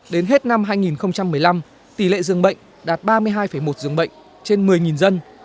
đến hết năm hai nghìn một mươi năm tỷ lệ dường bệnh đạt ba mươi hai một dường bệnh trên một mươi dân